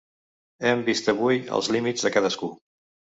Hem vist avui els límits de cadascú.